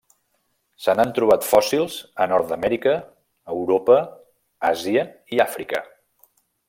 Se n'han trobat fòssils a Nord-amèrica, Europa, Àsia i Àfrica.